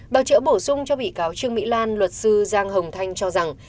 báo trợ bổ sung cho bị cáo trương mỹ lan luật sư giang hồng thanh cho rằng